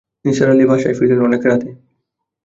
নিসার আলি বাসায় ফিরলেন অনেক রাতে।